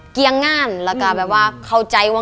เกี๊ยงงานแบบเฉศว่า